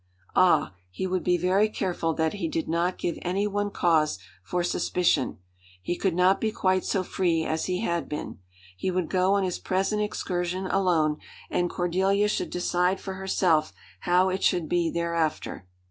Ah! he would be very careful that he did not give any one cause for suspicion. He could not be quite so free as he had been. He would go on his present excursion alone, and Cordelia should decide for herself how it should be thereafter.